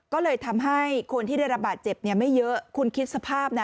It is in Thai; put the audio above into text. ก็เลยทำให้คนที่ได้รับบาดเจ็บไม่เยอะคุณคิดสภาพนะ